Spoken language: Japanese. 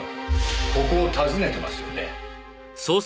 ここを訪ねてますよね？